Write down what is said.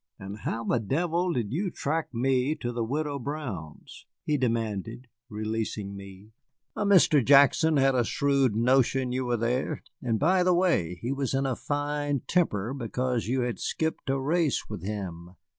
"And how the devil did you track me to the Widow Brown's?" he demanded, releasing me. "A Mr. Jackson had a shrewd notion you were there. And by the way, he was in a fine temper because you had skipped a race with him."